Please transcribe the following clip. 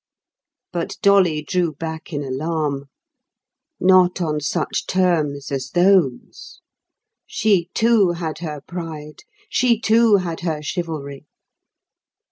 But Dolly drew back in alarm. Not on such terms as those. She, too, had her pride; she, too, had her chivalry.